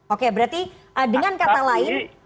oke berarti dengan kata lain